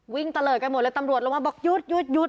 วิ่งเตลอร์รกันหมดเลยตำรวจลงมาบอกยุดยุดยุด